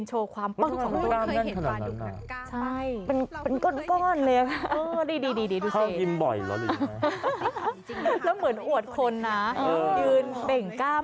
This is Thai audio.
แล้วเหมือนอวดคนนะยืนเบ่งกล้าม